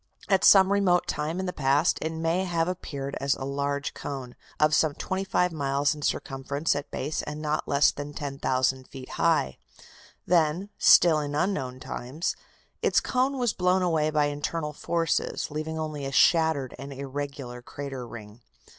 At some remote time in the past it may have appeared as a large cone, of some twenty five miles in circumference at base and not less than 10,000 feet high. Then, still in unknown times, its cone was blown away by internal forces, leaving only a shattered and irregular crater ring.